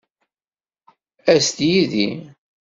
As-d yid-i.